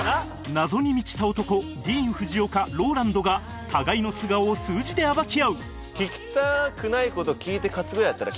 謎に満ちた男 ＤＥＡＮＦＵＪＩＯＫＡＲＯＬＡＮＤ が互いの素顔を数字で暴き合う